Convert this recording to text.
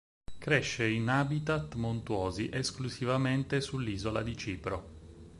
Cresce in habitat montuosi esclusivamente sull'isola di Cipro.